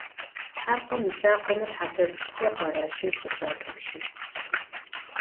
Tharkhom ılhakhome thepe ts'ık'uxer kharaşeç'ışs at'upşı.